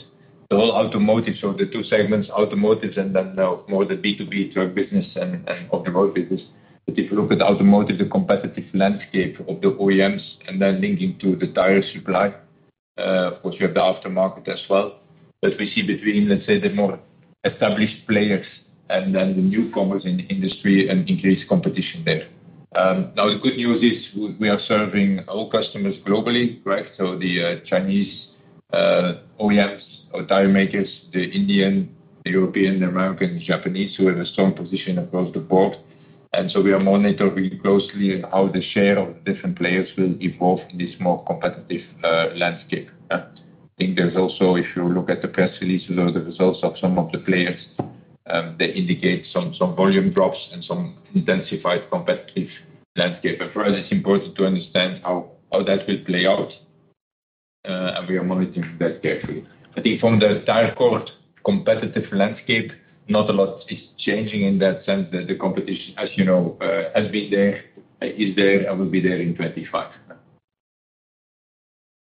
The whole automotive, so the two segments, automotive and then more the B2B truck business and off-the-road business. But if you look at automotive, the competitive landscape of the OEMs and then linking to the tire supply, of course, you have the aftermarket as well. But we see between, let's say, the more established players and then the newcomers in the industry and increased competition there. Now, the good news is we are serving our customers globally, correct? So the Chinese OEMs or tire makers, the Indian, the European, the American, the Japanese, who have a strong position across the board. And so we are monitoring closely how the share of the different players will evolve in this more competitive landscape. I think there's also, if you look at the press releases or the results of some of the players, they indicate some volume drops and some intensified competitive landscape. And for us, it's important to understand how that will play out. And we are monitoring that carefully. I think from the tire cord competitive landscape, not a lot is changing in that sense that the competition, as you know, has been there, is there, and will be there in 2025.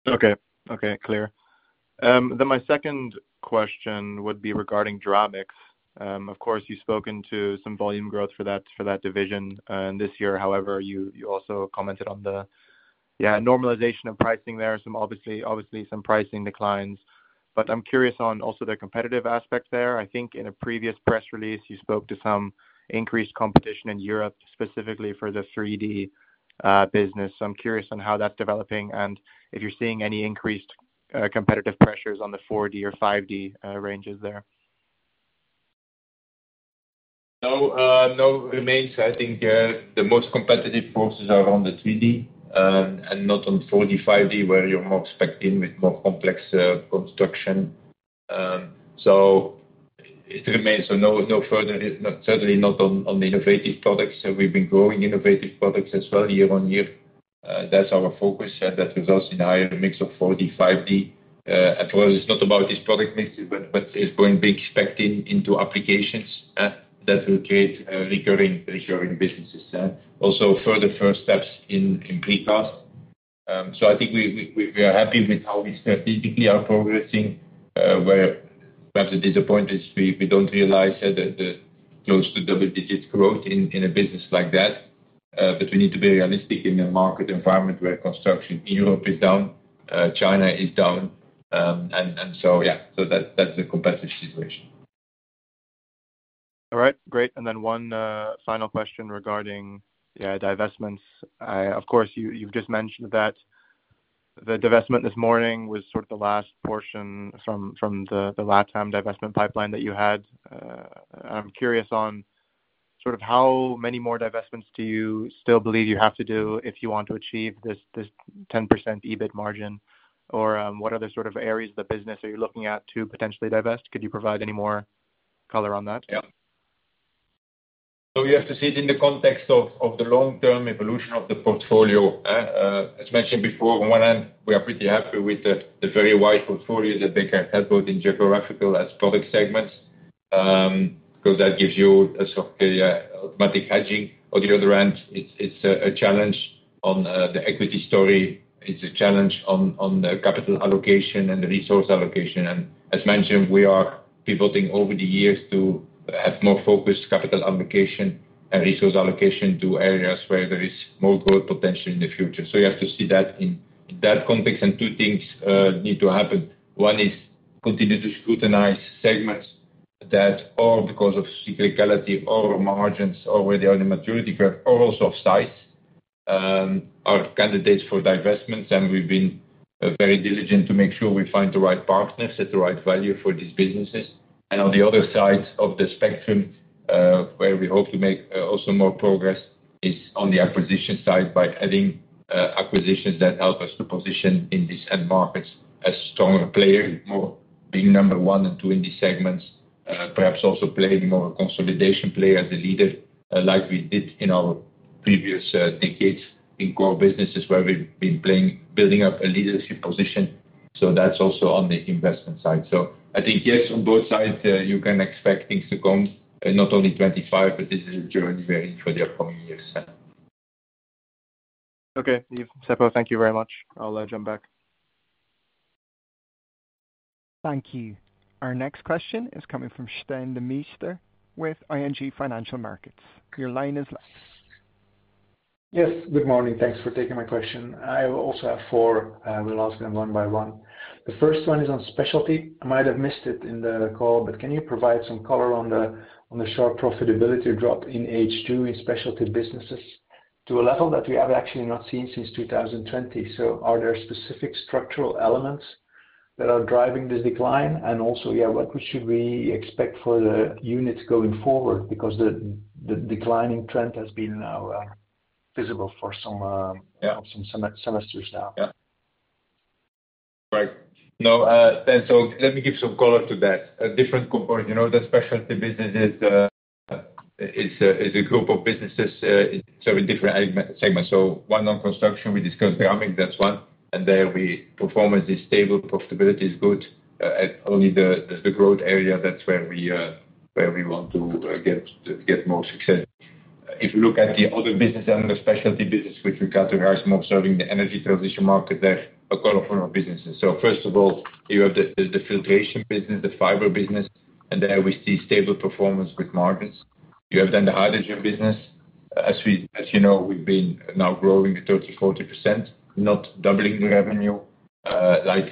Okay. Okay, clear. Then my second question would be regarding Dramix. Of course, you've spoken to some volume growth for that division this year. However, you also commented on the, yeah, normalization of pricing there, obviously some pricing declines. But I'm curious on also the competitive aspect there. I think in a previous press release, you spoke to some increased competition in Europe, specifically for the 3D business. So I'm curious on how that's developing and if you're seeing any increased competitive pressures on the 4D or 5D ranges there. No, remains. I think the most competitive forces are on the 3D and not on 4D, 5D, where you're more expecting in with more complex construction. So it remains. So no further, certainly not on innovative products. So we've been growing innovative products as well year on year. That's our focus. That results in a higher mix of 4D, 5D. Of course, it's not about this product mix, but it's going big expecting into applications that will create recurring businesses. Also further first steps in precast. So I think we are happy with how we strategically are progressing, where perhaps the disappointment is we don't realize close to double-digit growth in a business like that. But we need to be realistic in a market environment where construction in Europe is down, China is down. And so, yeah, so that's the competitive situation. All right. Great. And then one final question regarding, yeah, divestments. Of course, you've just mentioned that the divestment this morning was sort of the last portion from the LATAM divestment pipeline that you had. And I'm curious on sort of how many more divestments do you still believe you have to do if you want to achieve this 10% EBIT margin, or what other sort of areas of the business are you looking at to potentially divest? Could you provide any more color on that? Yeah. So you have to see it in the context of the long-term evolution of the portfolio. As mentioned before, on one hand, we are pretty happy with the very wide portfolio that they can have both in geographical as product segments because that gives you a sort of automatic hedging. On the other hand, it's a challenge on the equity story. It's a challenge on the capital allocation and the resource allocation. As mentioned, we are pivoting over the years to have more focused capital allocation and resource allocation to areas where there is more growth potential in the future. You have to see that in that context. Two things need to happen. One is continue to scrutinize segments that, or because of cyclicality, or margins already on the maturity curve, or also of size, are candidates for divestments. We’ve been very diligent to make sure we find the right partners at the right value for these businesses. And on the other side of the spectrum, where we hope to make also more progress, is on the acquisition side by adding acquisitions that help us to position in these end markets as stronger players, more being number one and two in these segments, perhaps also playing more a consolidation player as a leader like we did in our previous decades in core businesses where we've been building up a leadership position. So that's also on the investment side. So I think, yes, on both sides, you can expect things to come not only 25, but this is a journey we're in for the upcoming years. Okay. Seppo, thank you very much. I'll jump back. Thank you. Our next question is coming from Stijn Demeester with ING Financial Markets. Your line is live. Yes. Good morning. Thanks for taking my question. I will also have four. We'll ask them one by one. The first one is on specialty. I might have missed it in the call, but can you provide some color on the sharp profitability drop in H2 in Specialty Businesses to a level that we have actually not seen since 2020? So are there specific structural elements that are driving this decline? And also, yeah, what should we expect for the units going forward? Because the declining trend has been visible for some semesters now. Right. No. So let me give some color to that. A different component, the Specialty Businesses is a group of businesses in several different segments. So one non-construction, we discussed Dramix, that's one. And there the performance is stable, profitability is good. Only the growth area, that's where we want to get more success. If you look at the other business and the specialty business, which we categorize more serving the energy transition market, there are a couple of businesses. First of all, you have the filtration business, the fiber business, and there we see stable performance with margins. You have then the hydrogen business. As you know, we've been now growing 30%-40%, not doubling the revenue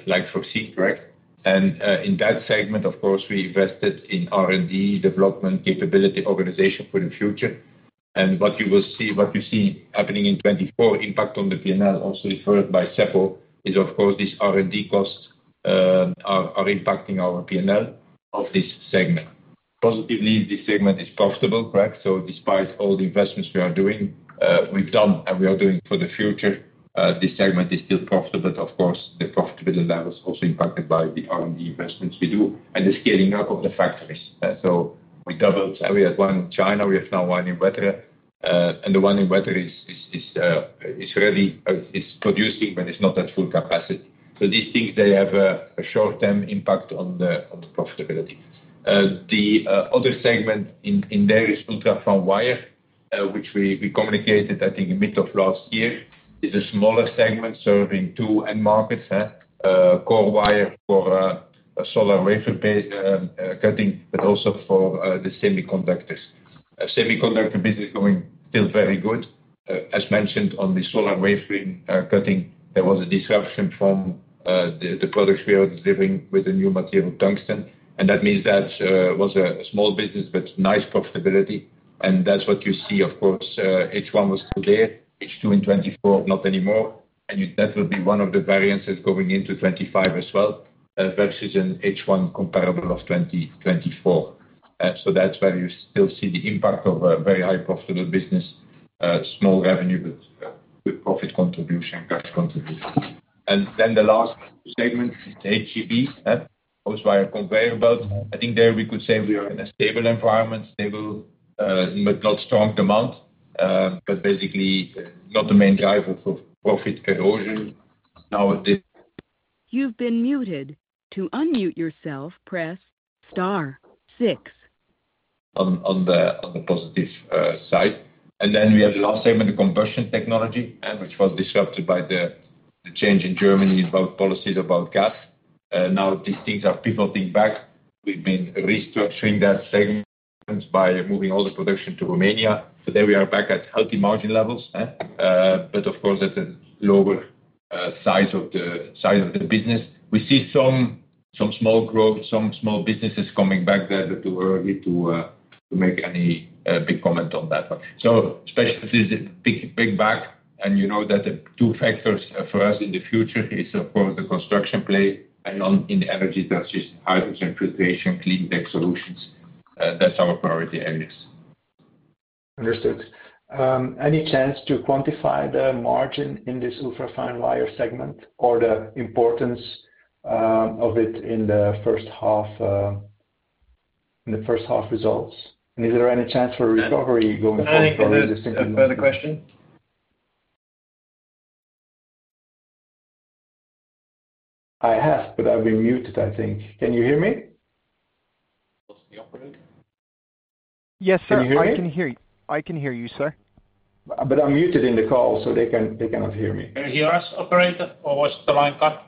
like for steel, correct? And in that segment, of course, we invested in R&D development capability organization for the future. And what you will see happening in 2024 impact on the P&L also referred by Seppo is, of course, these R&D costs are impacting our P&L of this segment. Positively, this segment is profitable, correct? So despite all the investments we are doing, we've done and we are doing for the future, this segment is still profitable. Of course, the profitability level is also impacted by the R&D investments we do and the scaling up of the factories, so we doubled. We had one in China. We have now one in Wetteren, and the one in Wetteren is ready, is producing, but it's not at full capacity, so these things, they have a short-term impact on the profitability. The other segment in there is ultra-fine wire, which we communicated, I think, in mid of last year. It's a smaller segment serving two end markets, core wire for solar wafer cutting, but also for the semiconductors. Semiconductor business is going still very good. As mentioned on the solar wafer cutting, there was a disruption from the products we were delivering with the new material tungsten, and that means that was a small business, but nice profitability, and that's what you see, of course. H1 was still there. H2 in 2024, not anymore. That will be one of the variances going into 2025 as well versus an H1 comparable of 2024. That's where you still see the impact of a very high profitable business, small revenue, but good profit contribution, cash contribution. Then the last segment is HCB, Hose and Conveyor Belt. I think there we could say we are in a stable environment, stable, but not strong demand, but basically not the main driver for profit erosion. Now. You've been muted. To unmute yourself, press star, six. On the positive side. Then we have the last segment, the Combustion Technology, which was disrupted by the change in Germany about policies about gas. Now these things are pivoting back. We've been restructuring that segment by moving all the production to Romania. So there we are back at healthy margin levels, but of course, at a lower size of the business. We see some small growth, some small businesses coming back there that were able to make any big comment on that one. So specialty is big back. And you know that the two factors for us in the future is, of course, the construction play and in energy transition, hydrogen filtration, clean tech solutions. That's our priority areas. Understood. Any chance to quantify the margin in this ultrafine wire segment or the importance of it in the first half results? And is there any chance for recovery going forward for this? (inaudible) questions. I have, but I've been muted, I think. Can you hear me? Yes, sir. I can hear you, sir. But I'm muted in the call, so they cannot hear me. Can you hear us, operator, or was the line cut?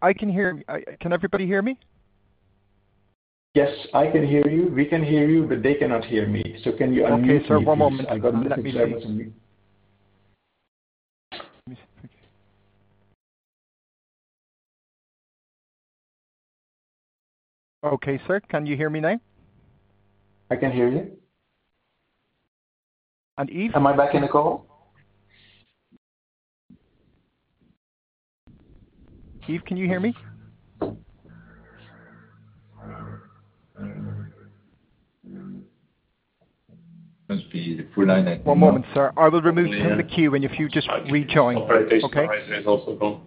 I can hear you. Can everybody hear me? Yes, I can hear you. We can hear you, but they cannot hear me. So can you unmute yourself? Okay, sir. One moment. Let me see. Okay, sir. Can you hear me now? I can hear you. And Yves? Am I back in the call? Yves, can you hear me? One moment, sir. I will remove him from the queue and if you just rejoin. Operator is also gone.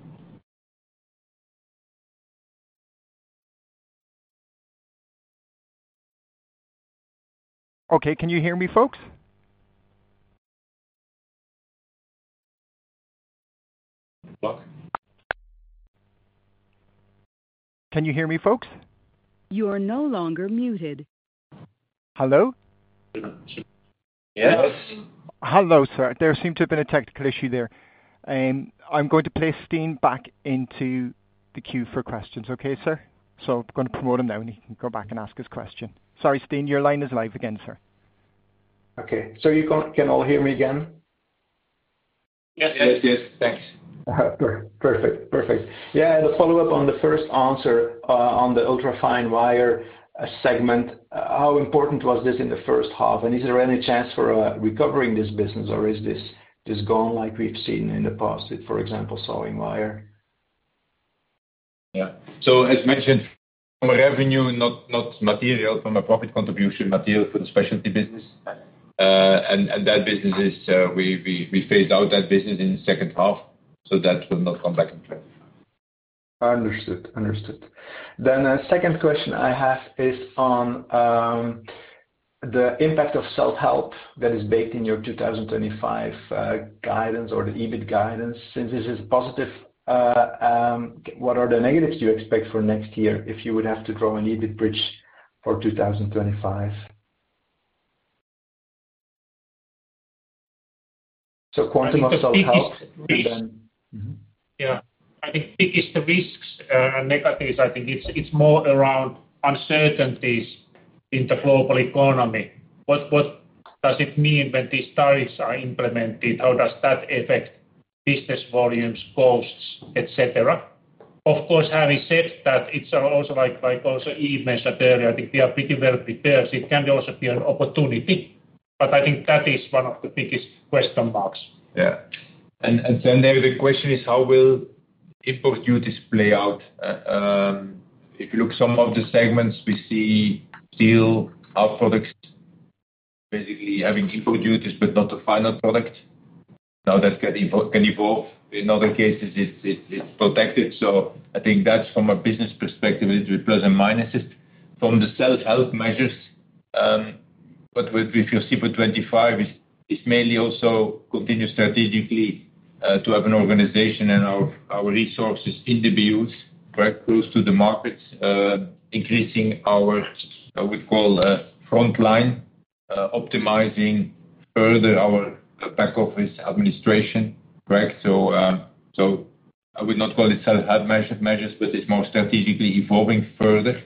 Okay. Can you hear me, folks? Can you hear me, folks? You are no longer muted. Hello? Yes? Hello, sir. There seemed to have been a technical issue there. I'm going to place Stijn back into the queue for questions, okay, sir? So I'm going to promote him now and he can go back and ask his question. Sorry, Stijn, your line is live again, sir. Okay. So you can all hear me again? Yes, yes, yes. Thanks. Perfect. Perfect. Yeah. The follow-up on the first answer on the ultrafine wire segment, how important was this in the first half? And is there any chance for recovering this business or is this gone like we've seen in the past with, for example, sawing wire? Yeah. So as mentioned, from a revenue, not material, from a profit contribution, material for the specialty business. And that business, we phased out that business in the second half, so that will not come back in 2025. Understood. Understood. Then a second question I have is on the impact of self-help that is baked in your 2025 guidance or the EBIT guidance. Since this is positive, what are the negatives you expect for next year if you would have to draw an EBIT bridge for 2025? (inaudible) Yeah. I think biggest risks, negatives, I think it's more around uncertainties in the global economy. What does it mean when these tariffs are implemented? How does that affect business volumes, costs, etc.? Of course, having said that, it's also like Yves mentioned earlier, I think we are pretty well prepared. It can also be an opportunity, but I think that is one of the biggest question marks. Yeah. The question is, how will input duties play out? If you look at some of the segments, we see steel, our products, basically having input duties, but not the final product. Now that can evolve. In other cases, it's protected. So, I think that's from a business perspective. It will be pluses and minuses. From the self-help measures, what we've received for 2025 is mainly also continue strategically to have an organization and our resources in the fields correct, close to the markets, increasing our, what we call, front line, optimizing further our back office administration, correct? So, I would not call it self-help measures, but it's more strategically evolving further.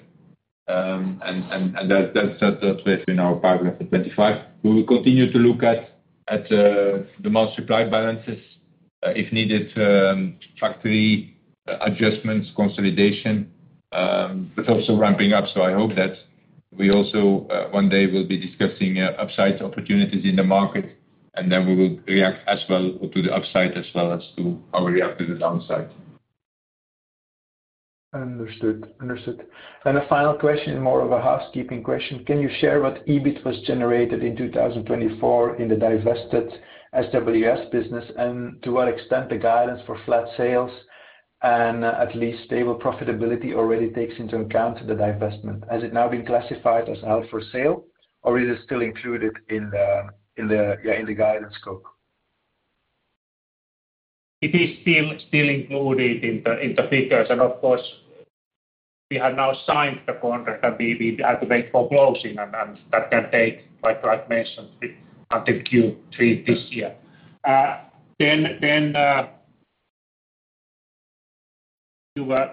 And that's what we have in our paragraph for 2025. We will continue to look at the mass supply balances, if needed, factory adjustments, consolidation, but also ramping up. So, I hope that we also one day will be discussing upside opportunities in the market, and then we will react as well to the upside as well as to how we react to the downside. Understood. Understood. And a final question, more of a housekeeping question. Can you share what EBIT was generated in 2024 in the divested SWS business, and to what extent the guidance for flat sales and at least stable profitability already takes into account the divestment? Has it now been classified as out for sale, or is it still included in the guidance scope? It is still included in the figures. And of course, we have now signed the contract, and we have to wait for closing, and that can take, like I mentioned, until Q3 this year. Then (inaudible) Yeah.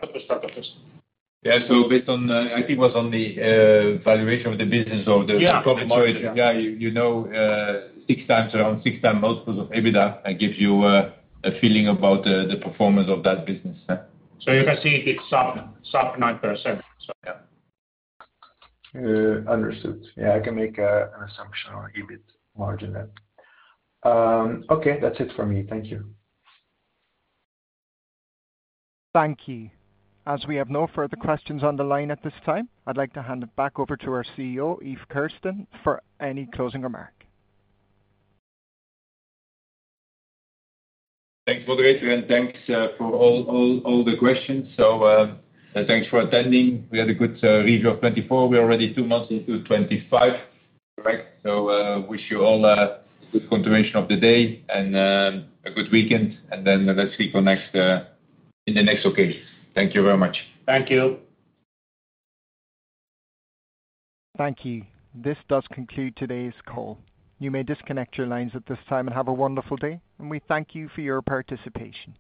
So based on, I think it was on the valuation of the business or the profit margin. Yeah. You know six times, around six times multiples of EBITDA, and gives you a feeling about the performance of that business. So you can see it's sub 9%. Yeah. Understood. Yeah. I can make an assumption on EBIT margin then. Okay. That's it for me. Thank you. Thank you. As we have no further questions on the line at this time, I'd like to hand it back over to our CEO, Yves Kerstens, for any closing remark. Thanks, Moderator, and thanks for all the questions. So thanks for attending. We had a good review of 2024. We are already two months into 2025, correct? So wish you all a good continuation of the day and a good weekend. And then let's see you in the next occasion. Thank you very much. Thank you. Thank you. This does conclude today's call. You may disconnect your lines at this time and have a wonderful day. And we thank you for your participation.